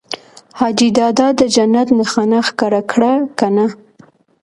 حاجي دادا د جنت نښانه ښکاره کړه که نه؟